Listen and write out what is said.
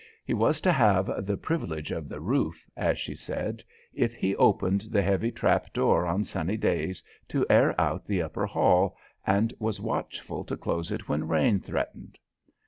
He was to have "the privilege of the roof," as she said, if he opened the heavy trapdoor on sunny days to air out the upper hall, and was watchful to close it when rain threatened.